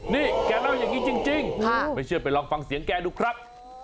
นี่แกเล่าอย่างนี้จริงไม่เชื่อไปลองฟังเสียงแกดูครับ